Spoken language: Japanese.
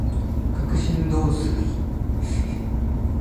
角振動数